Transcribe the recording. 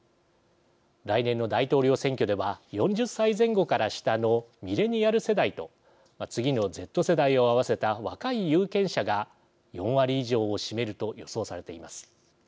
来年の大統領選挙では４０歳前後から下のミレニアル世代と次のＺ世代を合わせた若い有権者が４割以上を占めると予想されています。